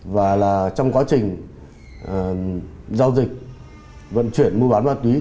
và trong quá trình giao dịch vận chuyển mua bán ma túy